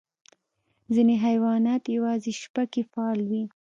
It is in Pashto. ځینې حیوانات یوازې شپه کې فعال وي.